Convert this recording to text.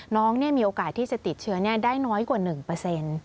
น้องมีโอกาสที่จะติดเชื้อได้น้อยกว่า๑